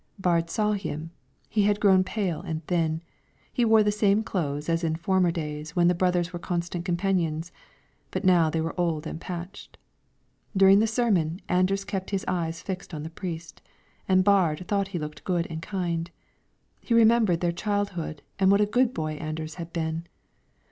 Baard saw him; he had grown pale and thin; he wore the same clothes as in former days when the brothers were constant companions, but now they were old and patched. During the sermon Anders kept his eyes fixed on the priest, and Baard thought he looked good and kind; he remembered their childhood and what a good boy Anders had been.